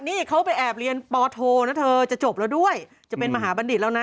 นี่เขาไปแอบเรียนปโทนะเธอจะจบแล้วด้วยจะเป็นมหาบัณฑิตแล้วนะ